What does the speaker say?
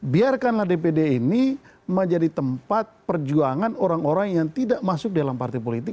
biarkanlah dpd ini menjadi tempat perjuangan orang orang yang tidak masuk dalam partai politik